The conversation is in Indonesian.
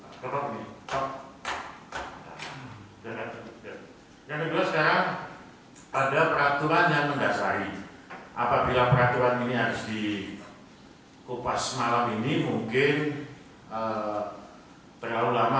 sekali lagi bahwa keputusan psbb sudah diputuskan oleh pemerintah